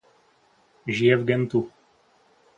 Žije v Gentu.